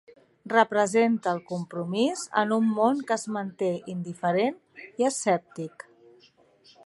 Representa el compromís en un món que es manté indiferent i escèptic.